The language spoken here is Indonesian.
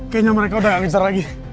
kayanya mereka udah gak kejar lagi